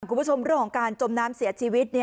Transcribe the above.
คุณผู้ชมเรื่องของการจมน้ำเสียชีวิต